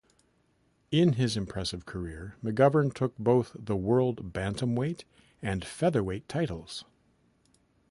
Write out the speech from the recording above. In his impressive career, McGovern took both the World Bantamweight and Featherweight Titles.